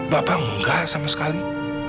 bapak tidak sama sekali